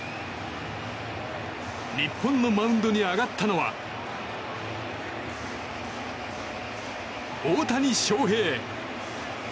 日本のマウンドに上がったのは大谷翔平。